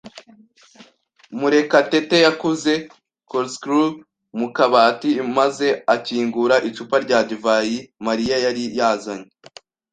Murekatete yakuye corkscrew mu kabati maze akingura icupa rya divayi Mariya yari yazanye.